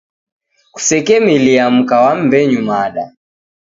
Kusekemilia mka wa mmbenyu mada